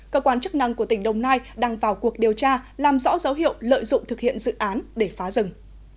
cơ quan chức năng của tỉnh đồng nai đang vào cuộc điều tra làm rõ dấu hiệu lợi dụng thực hiện dự án để phá rừng